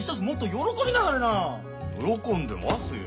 喜んでますよ。